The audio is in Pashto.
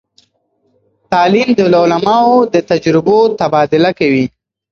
تعلیم د علماوو د تجربو تبادله کوي.